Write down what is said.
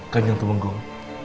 kan yang temenggung